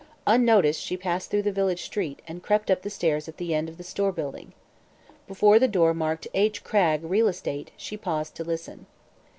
Unnoticed she passed through the village street and crept up the stairs at the end of the store building. Before the door marked "H. Cragg, Real Estate" she paused to listen.